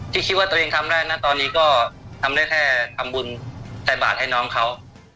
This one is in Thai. ที่คิดว่าตัวเองทำได้นะตอนนี้ก็ทำได้แค่ทำบุญใส่บาทให้น้องเขา